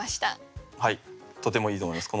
とてもいいと思います。